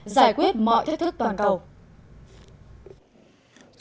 giải quyết mọi thách thức toàn cầu